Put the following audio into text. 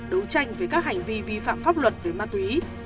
đấu tranh với các hành vi vi phạm pháp luật về ma túy